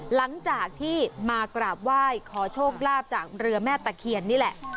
หลังจากที่มากราบไหว้ขอโชคลาภจากเรือแม่ตะเคียนนี่แหละ